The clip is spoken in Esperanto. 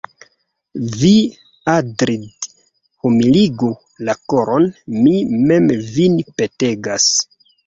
Vi, Atrid', humiligu la koron, mi mem vin petegas.